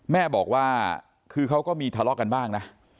แม่บอกว่าคือเขาก็มีทะเลาะกันบ้างนะ